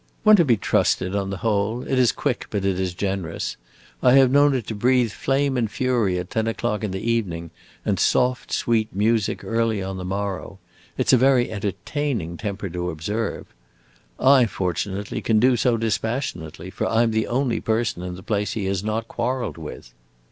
"One to be trusted, on the whole. It is quick, but it is generous. I have known it to breathe flame and fury at ten o'clock in the evening, and soft, sweet music early on the morrow. It 's a very entertaining temper to observe. I, fortunately, can do so dispassionately, for I 'm the only person in the place he has not quarreled with."